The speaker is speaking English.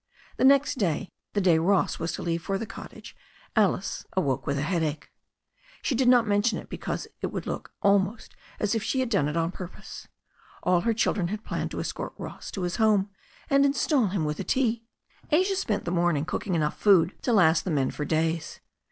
The next day, the day Ross was to leave for the cottage, Alice awoke with a headache. She did not mention it be* cause it would look almost as if she had done it on pur pose. All her children had planned to escort Ross to his home, and install him with a tea. Asia spent the morning cooking enough food to last the men for days.